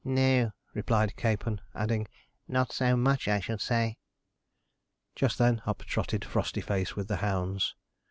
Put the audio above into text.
'No,' replied Capon, adding, 'not so much, I should say.' Just then up trotted Frostyface with the hounds.